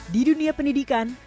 di dunia pendidikan